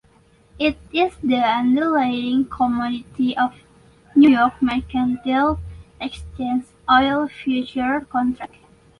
It is the underlying commodity of New York Mercantile Exchange's oil futures contracts.